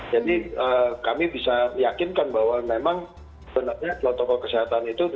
jadi kami bisa meyakinkan bahwa memang sebenarnya protokol kesehatan itu sudah pasti ada di industri